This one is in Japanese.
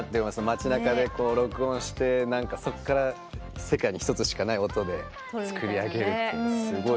街なかで録音してそこから世界に１つしかない音で作り上げるってすごい。